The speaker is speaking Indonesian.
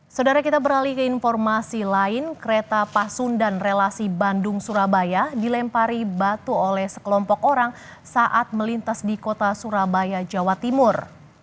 saudara kita beralih ke informasi lain kereta pasundan relasi bandung surabaya dilempari batu oleh sekelompok orang saat melintas di kota surabaya jawa timur